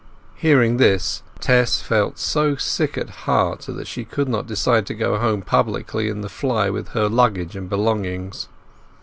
Hearing this, Tess felt so sick at heart that she could not decide to go home publicly in the fly with her luggage and belongings.